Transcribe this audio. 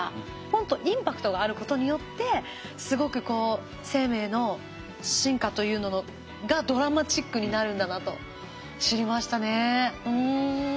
ポンとインパクトがあることによってすごくこう生命の進化というのがドラマチックになるんだなと知りましたね。